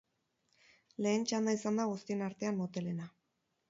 Lehen txanda izan da guztien artean motelena.